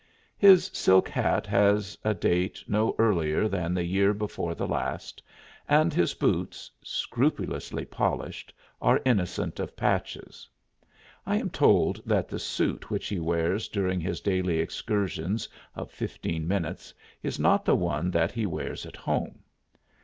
His silk hat has a date no earlier than the year before the last, and his boots, scrupulously polished, are innocent of patches. I am told that the suit which he wears during his daily excursions of fifteen minutes is not the one that he wears at home.